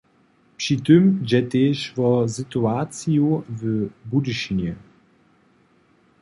Při tym dźe tež wo situaciju w Budyšinje.